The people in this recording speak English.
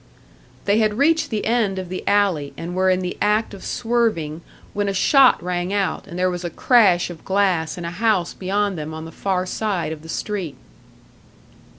They had reached the end of the alley, and were in the act of swerving, when a shot rang out and there was a crash of glass in a house beyond them on the far side of the street.